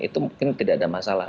itu mungkin tidak ada masalah